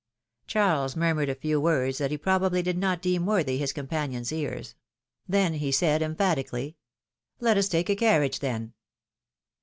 Charles murmured a few words, that he probably did not deem worthy his companions' ears; then he said, emphatically : ^^Let us take a carriage, then."